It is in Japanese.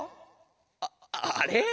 あっあれ？